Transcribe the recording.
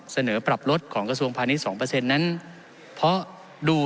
เสนอปรับลดของกระทรวงพาณิชย์สองเปอร์เซ็นต์นั้นเพราะดู